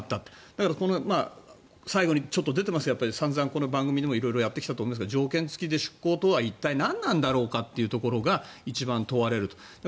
だから、最後にちょっと出ていますが散々この番組でもやっていますが条件付きで出港とは一体、何なんだろうかというところが一番問われると。